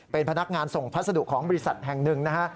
เป็นพนักงานส่งพัสดุของบริษัทแห่งหนึ่งนะฮะ